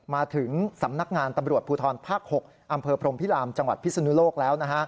มาถึงสำนักงานตำรวจภูทรภาค๖อำเภอพรมพิรามจังหวัดพิศนุโลกแล้ว